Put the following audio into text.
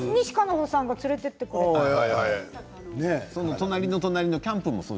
西加奈子さんが連れて行ってくれたところです。